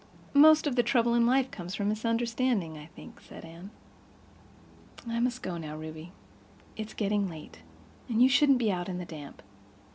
"Most of the trouble in life comes from misunderstanding, I think," said Anne. "I must go now, Ruby. It's getting late—and you shouldn't be out in the damp."